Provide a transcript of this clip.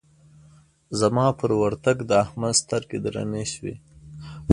زما پر ورتګ د احمد سترګې درنې شوې.